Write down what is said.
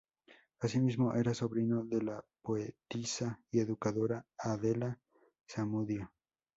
Asimismo, era sobrino de la poetisa y educadora Adela Zamudio.